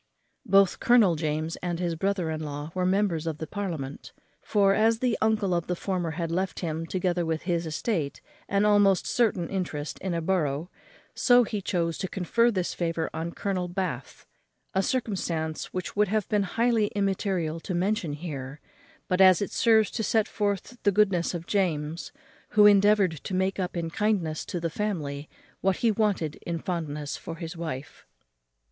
Both Colonel James and his brother in law were members of parliament; for, as the uncle of the former had left him, together with his estate, an almost certain interest in a borough, so he chose to confer this favour on Colonel Bath; a circumstance which would have been highly immaterial to mention here, but as it serves to set forth the goodness of James, who endeavoured to make up in kindness to the family what he wanted in fondness for his wife.